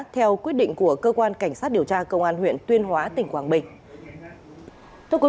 theo quyết định của cơ quan cảnh sát điều tra công an huyện tuyên hóa tỉnh quảng bình